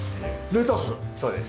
そうです。